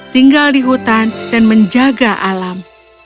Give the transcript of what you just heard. tinggal di hutan dan menjaga alam